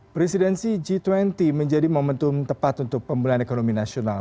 presidensi g dua puluh menjadi momentum tepat untuk pemulihan ekonomi nasional